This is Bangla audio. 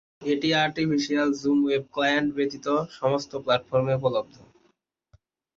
এটি অফিসিয়াল জুম ওয়েব ক্লায়েন্ট ব্যতীত সমস্ত প্ল্যাটফর্মে উপলব্ধ।